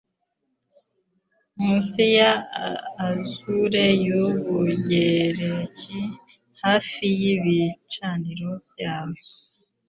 Munsi ya azure y'Ubugereki hafi y'ibicaniro byayo